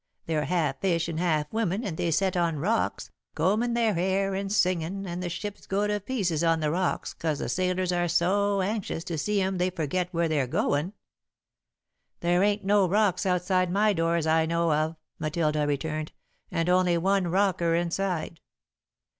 They're half fish and half woman and they set on rocks, combin' their hair and singin' and the ships go to pieces on the rocks 'cause the sailors are so anxious to see 'em they forget where they're goin'." "There ain't no rocks outside my door as I know of," Matilda returned, "and only one rocker inside."